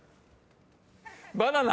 バナナ。